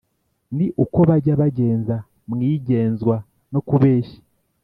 ni uko bajya bagenza, mwigenzwa no kubeshya: